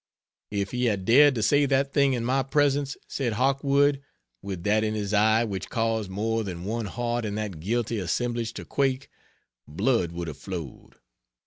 "If he had dared to say that thing in my presence," said Hawkwood, with that in his eye which caused more than one heart in that guilty assemblage to quake, "blood would have flowed."